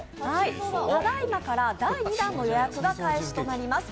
ただいまから第２弾の予約が開始となります。